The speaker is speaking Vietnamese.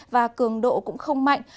và cường độ cũng không mạnh